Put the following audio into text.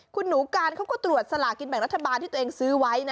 คุณหนูการเขาก็ตรวจสลากินแบ่งรัฐบาลที่ตัวเองซื้อไว้นะ